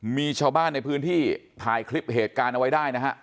มีชาวบ้านในพื้นที่ถ่ายคลิปเหตุการณ์เอาไว้ได้นะฮะ